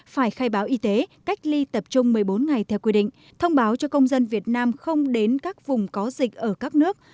phải khai báo y tế cách ly tập trung một mươi bốn ngày theo quy định thông báo cho công dân việt nam không đến các vùng có dịch ở các nước